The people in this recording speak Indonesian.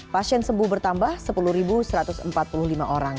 pasien sembuh bertambah sepuluh satu ratus empat puluh lima orang